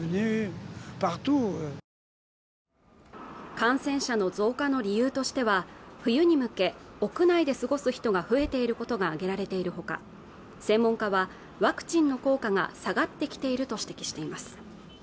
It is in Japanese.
感染者の増加の理由としては冬に向け屋内で過ごす人が増えていることが挙げられているほか専門家はワクチンの効果が下がってきていると指摘しています